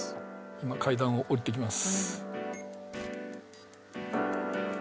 今階段を下りていきます